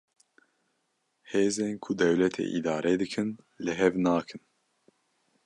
Hêzên ku dewletê îdare dikin, li hev nakin